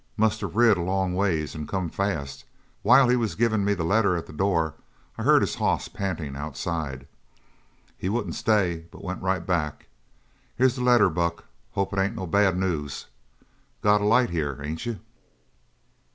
Must have rid a long ways and come fast; while he was givin' me the letter at the door I heard his hoss pantin' outside. He wouldn't stay, but went right back. Here's the letter, Buck. Hope it ain't no bad news. Got a light here, ain't you?"